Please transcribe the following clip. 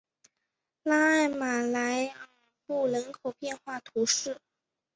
拉艾马莱尔布人口变化图示